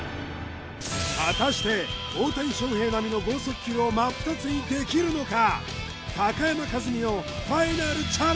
果たして大谷翔平並みの豪速球を真っ二つにできるのか？